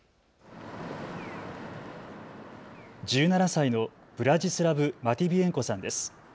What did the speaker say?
１７歳のブラジスラブ・マティビエンコさんです。